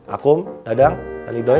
akum dadang dan lidoy